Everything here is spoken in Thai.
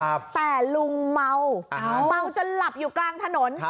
แต่ลุงเมาเมาจนหลับอยู่กลางถนน